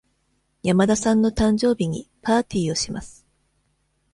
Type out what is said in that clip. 山田さんの誕生日にパーティーをします。